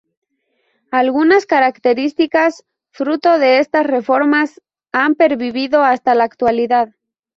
Algunas características fruto de estas reformas han pervivido hasta la actualidad.